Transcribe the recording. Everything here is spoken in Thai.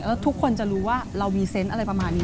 แล้วทุกคนจะรู้ว่าเรารีเซนต์อะไรประมาณนี้